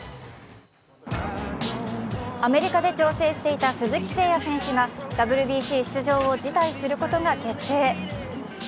アメリカで調整していた鈴木誠也選手がＷＢＣ出場を辞退することが決定。